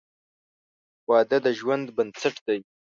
• واده د ژوند بنسټ دی.